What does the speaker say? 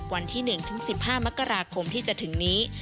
วันที่๑ถึง๑๕มกราคมที่จะถึงนี้